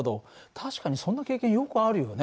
確かにそんな経験よくあるよね。